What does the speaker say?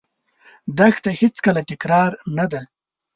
دښته هېڅکله تکراري نه ده.